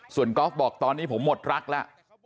ส่วนกอล์ฟบอกตอนนี้ผมหมดรักแล้ว